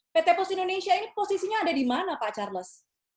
pt pos indonesia ini posisinya ada di mana pak charles